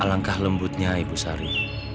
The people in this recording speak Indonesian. alangkah lembutnya ibu sari